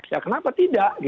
ya kenapa tidak